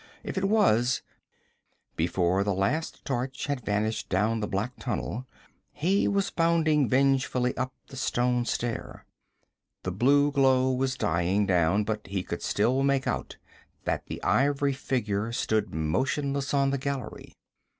If it was Before the last torch had vanished down the black tunnel he was bounding vengefully up the stone stair. The blue glow was dying down, but he could still make out that the ivory figure stood motionless on the gallery.